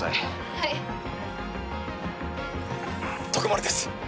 はい徳丸です